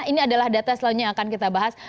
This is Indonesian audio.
ini adalah data selanjutnya yang akan kita bahas